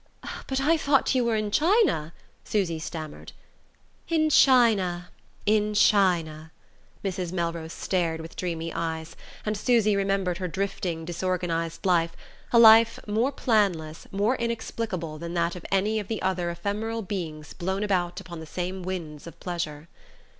"But I thought you were in China!" Susy stammered. "In China... in China," Mrs. Melrose stared with dreamy eyes, and Susy remembered her drifting disorganised life, a life more planless, more inexplicable than that of any of the other ephemeral beings blown about upon the same winds of pleasure.